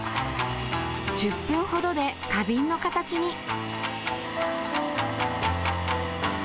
１０分ほどで花瓶の形に。